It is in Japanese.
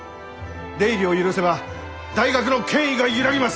出入りを許せば大学の権威が揺らぎます！